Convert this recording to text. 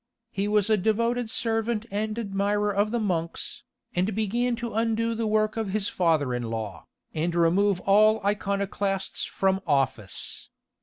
He was a devoted servant and admirer of monks, and began to undo the work of his father in law, and remove all Iconoclasts from office.